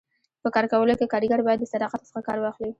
په کار کولو کي کاریګر باید د صداقت څخه کار واخلي.